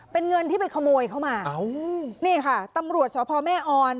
เป็นเงินที่ไปขโมยเข้ามานี่ค่ะตำรวจสพแม่ออน